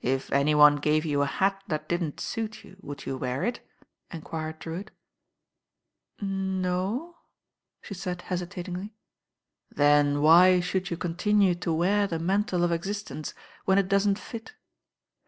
If any one gave you a hat that didn't suit you, would you wear it?" enquired Drewitt. Noooooo," the said hesitatingly. Then why should you continue to wear the mantle of existence when it doesn't fit?"